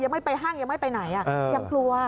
ไม่ไปห้างยังไม่ไปไหนยังกลัว